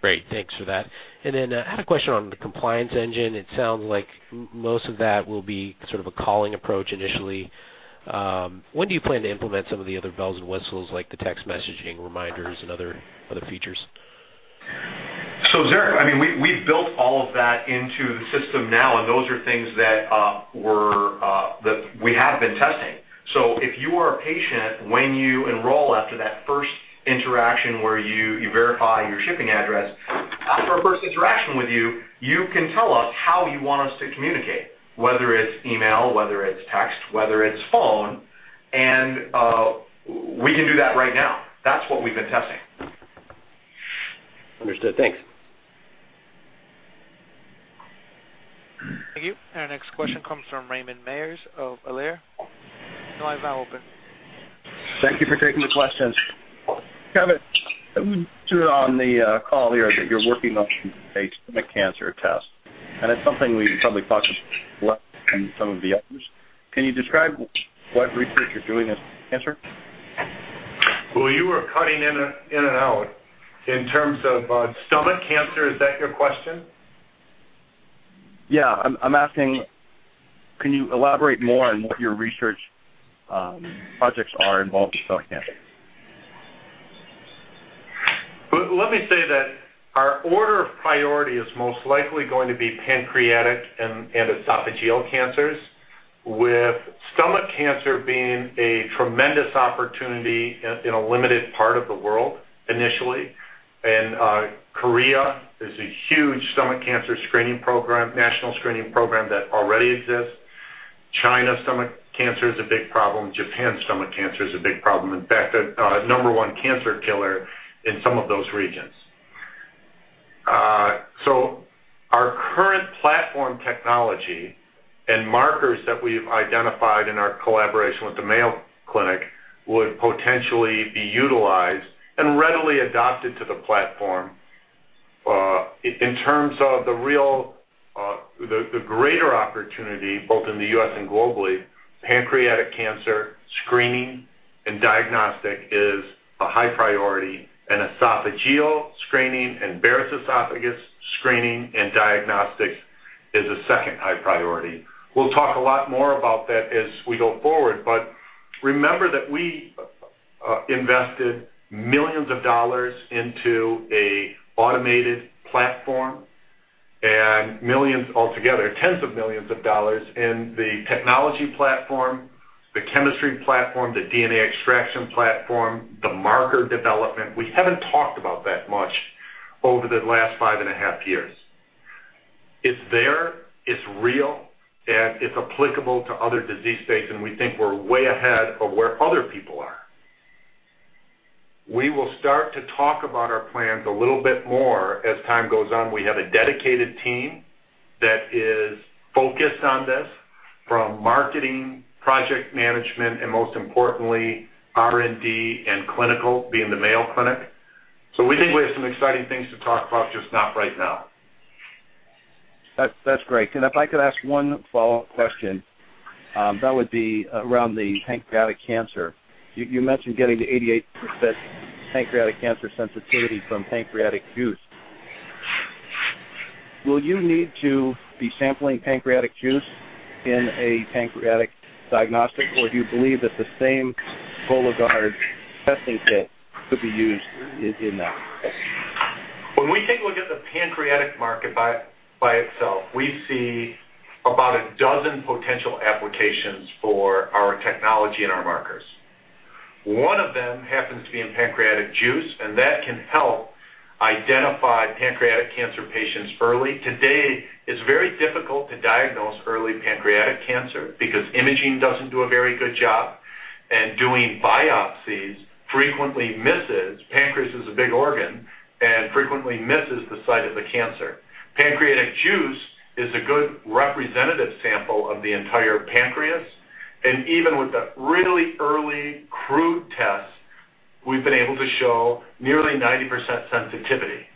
Great. Thanks for that. I had a question on the compliance engine. It sounds like most of that will be sort of a calling approach initially. When do you plan to implement some of the other bells and whistles like the text messaging, reminders, and other features? Zarak, we've built all of that into the system now, and those are things that we have been testing. If you are a patient, when you enroll after that first interaction where you verify your shipping address, after our first interaction with you, you can tell us how you want us to communicate, whether it's email, whether it's text, whether it's phone. We can do that right now. That's what we've been testing. Understood. Thanks. Thank you. Our next question comes from Raymond Myers of Alere. The line's now open. Thank you for taking the questions. Kevin, we've seen on the call here that you're working on a stomach cancer test. And it's something we probably talked less about than some of the others. Can you describe what research you're doing on stomach cancer? You are cutting in and out. In terms of stomach cancer, is that your question? Yeah. I'm asking, can you elaborate more on what your research projects are involved with stomach cancer? Let me say that our order of priority is most likely going to be pancreatic and esophageal cancers, with stomach cancer being a tremendous opportunity in a limited part of the world initially. Korea is a huge stomach cancer screening program, national screening program that already exists. China's stomach cancer is a big problem. Japan's stomach cancer is a big problem. In fact, a number one cancer killer in some of those regions. Our current platform technology and markers that we've identified in our collaboration with the Mayo Clinic would potentially be utilized and readily adopted to the platform. In terms of the greater opportunity, both in the U.S. and globally, pancreatic cancer screening and diagnostic is a high priority. Esophageal screening and Barrett's esophagus screening and diagnostics is a second high priority. We'll talk a lot more about that as we go forward. Remember that we invested millions of dollars into an automated platform and millions altogether, tens of millions of dollars in the technology platform, the chemistry platform, the DNA extraction platform, the marker development. We have not talked about that much over the last five and a half years. It is there. It is real. It is applicable to other disease states. We think we are way ahead of where other people are. We will start to talk about our plans a little bit more as time goes on. We have a dedicated team that is focused on this from marketing, project management, and most importantly, R&D and clinical being the Mayo Clinic. We think we have some exciting things to talk about, just not right now. That's great. If I could ask one follow-up question, that would be around the pancreatic cancer. You mentioned getting to 88% pancreatic cancer sensitivity from pancreatic juice. Will you need to be sampling pancreatic juice in a pancreatic diagnostic, or do you believe that the same Cologuard testing kit could be used in that? When we take a look at the pancreatic market by itself, we see about a dozen potential applications for our technology and our markers. One of them happens to be in pancreatic juice, and that can help identify pancreatic cancer patients early. Today, it's very difficult to diagnose early pancreatic cancer because imaging doesn't do a very good job. Doing biopsies frequently misses, pancreas is a big organ, and frequently misses the site of the cancer. Pancreatic juice is a good representative sample of the entire pancreas. Even with the really early crude tests, we've been able to show nearly 90% sensitivity.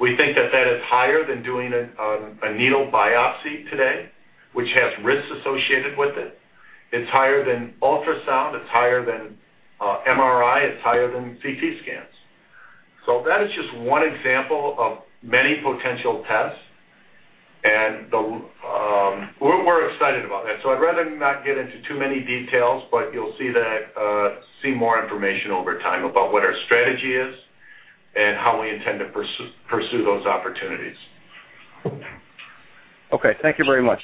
We think that that is higher than doing a needle biopsy today, which has risks associated with it. It's higher than ultrasound. It's higher than MRI. It's higher than CT scans. That is just one example of many potential tests. We're excited about that. I'd rather not get into too many details, but you'll see more information over time about what our strategy is and how we intend to pursue those opportunities. Okay. Thank you very much.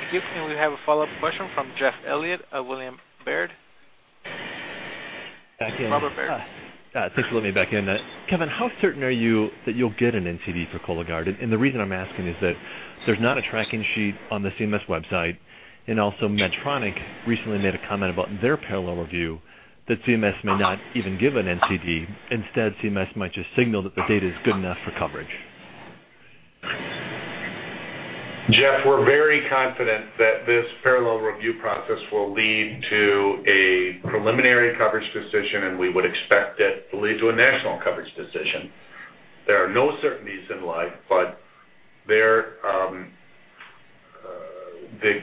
Thank you. We have a follow-up question from Jeff Elliott of Wilson Baird. Thank you. Robert Baird. Thanks for letting me back in. Kevin, how certain are you that you'll get an NCD for Cologuard? The reason I'm asking is that there's not a tracking sheet on the CMS website. Also, Medtronic recently made a comment about their parallel review that CMS may not even give an NCD. Instead, CMS might just signal that the data is good enough for coverage. Jeff, we're very confident that this parallel review process will lead to a preliminary coverage decision, and we would expect it to lead to a national coverage decision. There are no certainties in life, but the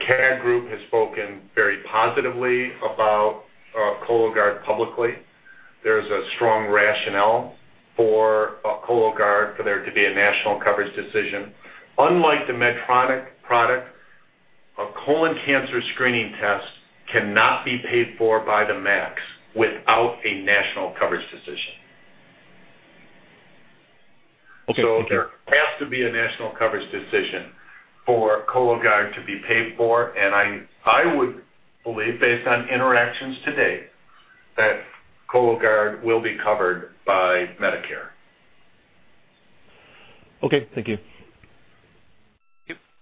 current group has spoken very positively about Cologuard publicly. There is a strong rationale for Cologuard for there to be a national coverage decision. Unlike the Medtronic product, a colon cancer screening test cannot be paid for by the maps without a national coverage decision. There has to be a national coverage decision for Cologuard to be paid for. I would believe, based on interactions today, that Cologuard will be covered by Medicare. Okay. Thank you.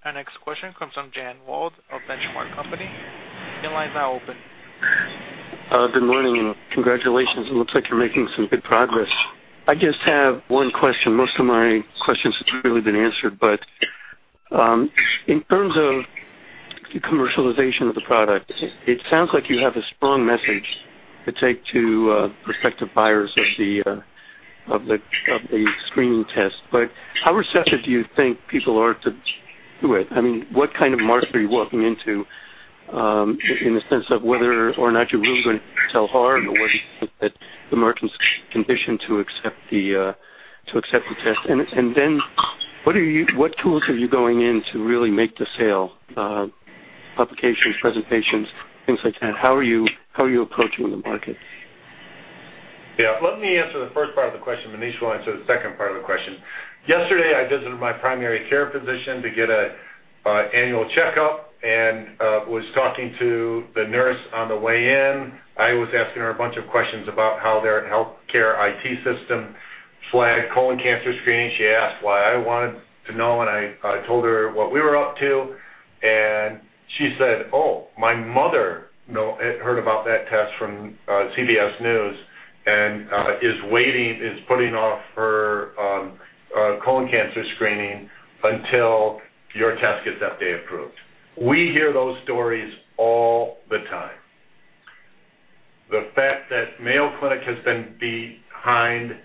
Our next question comes from Jan Wald of Benchmark Company. The line's now open. Good morning. Congratulations. It looks like you're making some good progress. I just have one question. Most of my questions have really been answered. In terms of the commercialization of the product, it sounds like you have a strong message to take to prospective buyers of the screening test. How receptive do you think people are to do it? I mean, what kind of market are you walking into in the sense of whether or not you're really going to sell hard or whether you think that the market's conditioned to accept the test? What tools are you going in to really make the sale? Publications, presentations, things like that. How are you approaching the market? Yeah. Let me answer the first part of the question. Maneesh will answer the second part of the question. Yesterday, I visited my primary care physician to get an annual checkup and was talking to the nurse on the way in. I was asking her a bunch of questions about how their healthcare IT system flagged colon cancer screening. She asked why I wanted to know, and I told her what we were up to. She said, "Oh, my mother heard about that test from CBS News and is putting off her colon cancer screening until your test gets FDA approved." We hear those stories all the time. The fact that Mayo Clinic has been behind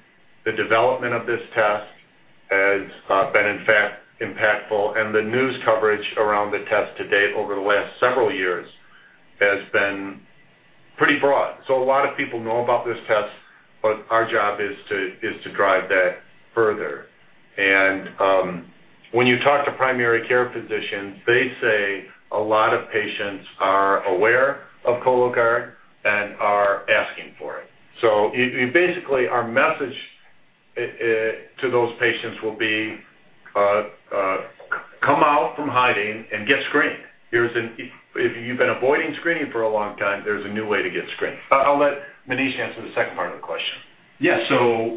the development of this test has been in fact impactful. The news coverage around the test to date over the last several years has been pretty broad. A lot of people know about this test, but our job is to drive that further. When you talk to primary care physicians, they say a lot of patients are aware of Cologuard and are asking for it. Basically, our message to those patients will be, "Come out from hiding and get screened." If you've been avoiding screening for a long time, there's a new way to get screened. I'll let Maneesh answer the second part of the question. Yeah.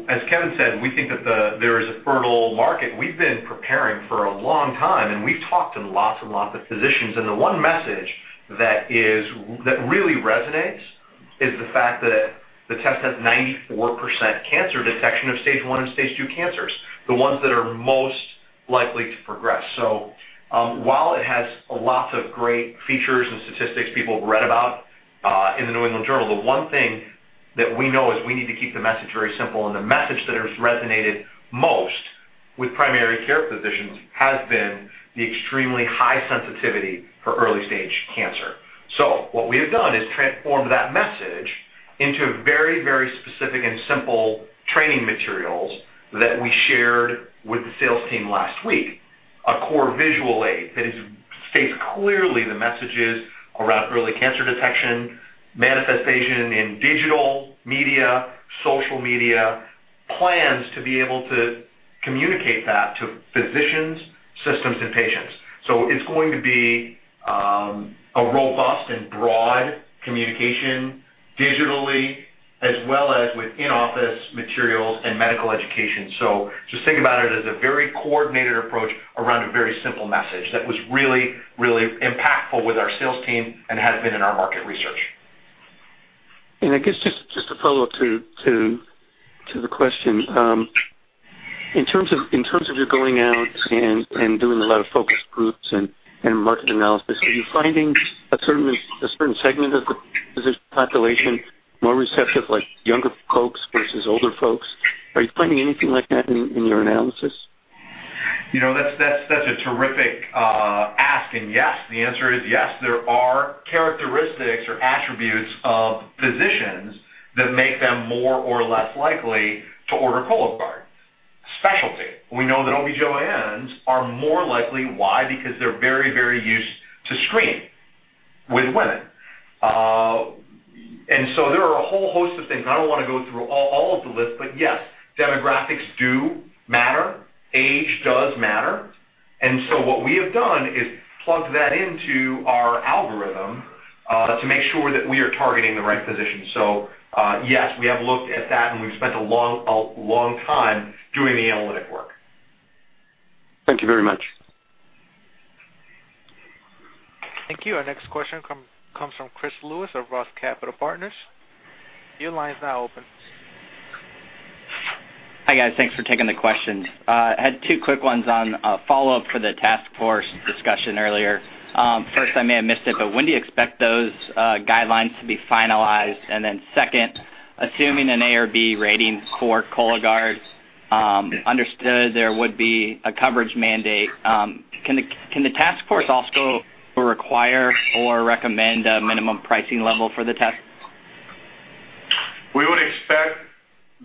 As Kevin said, we think that there is a fertile market. We've been preparing for a long time, and we've talked to lots and lots of physicians. The one message that really resonates is the fact that the test has 94% cancer detection of stage one and stage two cancers, the ones that are most likely to progress. While it has lots of great features and statistics people have read about in the New England Journal, the one thing that we know is we need to keep the message very simple. The message that has resonated most with primary care physicians has been the extremely high sensitivity for early-stage cancer. What we have done is transformed that message into very, very specific and simple training materials that we shared with the sales team last week, a core visual aid that states clearly the messages around early cancer detection, manifestation in digital media, social media, plans to be able to communicate that to physicians, systems, and patients. It is going to be a robust and broad communication digitally as well as with in-office materials and medical education. Just think about it as a very coordinated approach around a very simple message that was really, really impactful with our sales team and has been in our market research. I guess just a follow-up to the question. In terms of you going out and doing a lot of focus groups and market analysis, are you finding a certain segment of the physician population more receptive, like younger folks versus older folks? Are you finding anything like that in your analysis? That's a terrific ask. Yes, the answer is yes. There are characteristics or attributes of physicians that make them more or less likely to order Cologuard. Specialty. We know that OB-GYNs are more likely. Why? Because they're very, very used to screening with women. There are a whole host of things. I don't want to go through all of the list, but yes, demographics do matter. Age does matter. What we have done is plugged that into our algorithm to make sure that we are targeting the right physician. Yes, we have looked at that, and we've spent a long time doing the analytic work. Thank you very much. Thank you. Our next question comes from Chris Lewis of Ross Capital Partners. The line's now open. Hi guys. Thanks for taking the questions. I had two quick ones on follow-up for the task force discussion earlier. First, I may have missed it, but when do you expect those guidelines to be finalized? Second, assuming an A or B rating for Cologuard, understood there would be a coverage mandate. Can the task force also require or recommend a minimum pricing level for the test? We would expect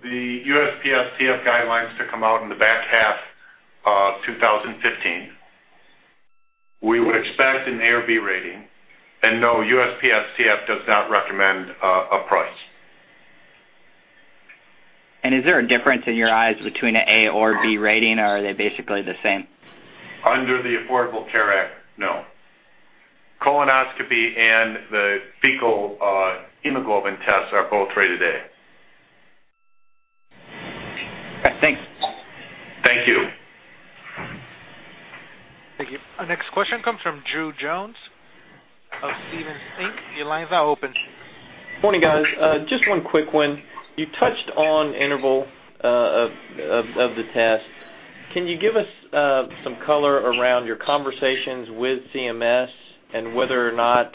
the USPSTF guidelines to come out in the back half of 2015. We would expect an A or B rating. No, USPSTF does not recommend a price. Is there a difference in your eyes between an A or B rating, or are they basically the same? Under the Affordable Care Act, no. Colonoscopy and the fecal hemoglobin tests are both rated A. All right. Thanks. Thank you. Thank you. Our next question comes from Drew Jones of Stephens Inc. The line's now open. Morning, guys. Just one quick one. You touched on interval of the test. Can you give us some color around your conversations with CMS and whether or not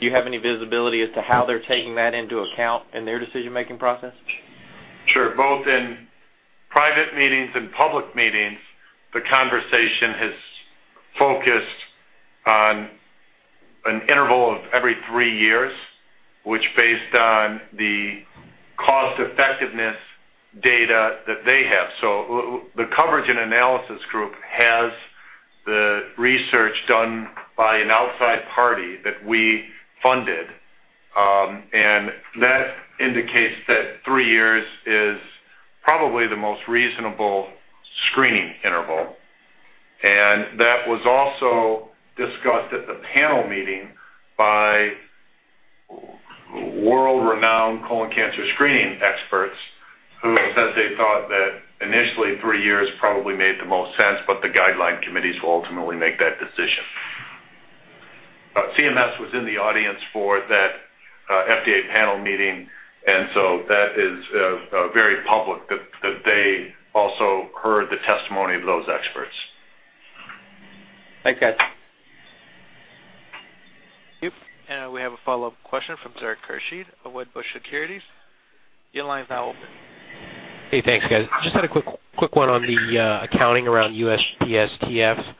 you have any visibility as to how they're taking that into account in their decision-making process? Sure. Both in private meetings and public meetings, the conversation has focused on an interval of every three years, which is based on the cost-effectiveness data that they have. The Coverage and Analysis Group has the research done by an outside party that we funded. That indicates that three years is probably the most reasonable screening interval. That was also discussed at the panel meeting by world-renowned colon cancer screening experts who said they thought that initially, three years probably made the most sense, but the guideline committees will ultimately make that decision. CMS was in the audience for that FDA panel meeting, and that is very public that they also heard the testimony of those experts. Thanks, guys. Thank you. We have a follow-up question from Zarak Khurshid of Wedbush Securities. The line's now open. Hey, thanks, guys. Just had a quick one on the accounting around USPSTF.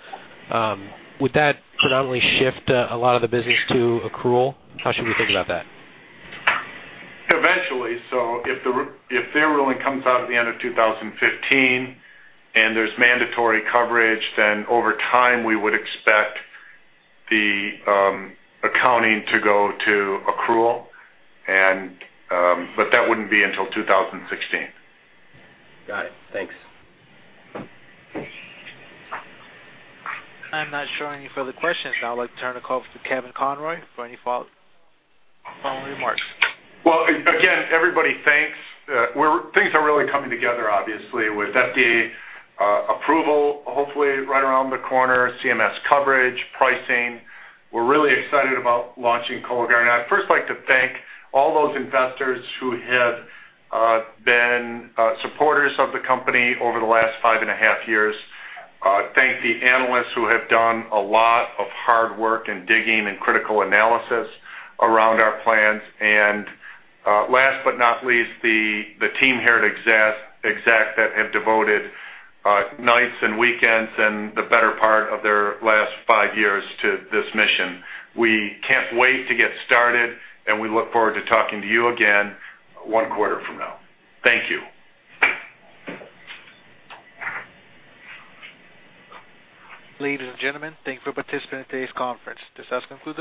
Would that predominantly shift a lot of the business to accrual? How should we think about that? Eventually. If the ruling comes out at the end of 2015 and there's mandatory coverage, then over time, we would expect the accounting to go to accrual. That would not be until 2016. Got it. Thanks. I'm not showing any further questions. Now I'd like to turn the call over to Kevin Conroy for any follow-up remarks. Again, everybody, thanks. Things are really coming together, obviously, with FDA approval hopefully right around the corner, CMS coverage, pricing. We're really excited about launching Cologuard. I'd first like to thank all those investors who have been supporters of the company over the last five and a half years. Thank the analysts who have done a lot of hard work and digging and critical analysis around our plans. Last but not least, the team here at Exact that have devoted nights and weekends and the better part of their last five years to this mission. We can't wait to get started, and we look forward to talking to you again one quarter from now. Thank you. Ladies and gentlemen, thank you for participating in today's conference. This has concluded.